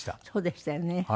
そうでしたよね。